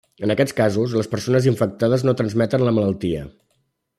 En aquests casos, les persones infectades no transmeten la malaltia.